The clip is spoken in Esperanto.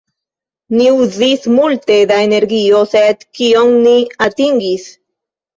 Ni uzis multe da energio, sed kion ni atingis?